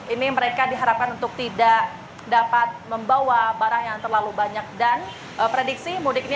ini mereka diharapkan untuk tidak dapat membawa barang yang terlalu banyak dan prediksi mudik ini